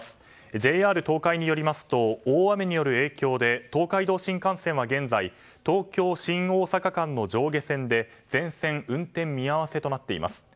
ＪＲ東海によりますと大雨による影響で東海道新幹線は現在東京新大阪間の上下線で全線運転見合わせとなっています。